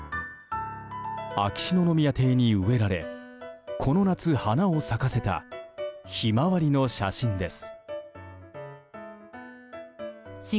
秋篠宮邸に植えられこの夏、花を咲かせたヒマワリの写真です。